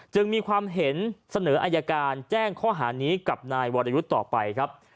จึงมีความเห็นเสนออายการแจ้งข้อหานี้กับนายวรยุทธ์ต่อไปครับ